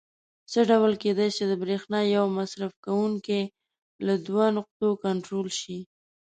څه ډول کېدای شي د برېښنا یو مصرف کوونکی له دوو نقطو کنټرول شي؟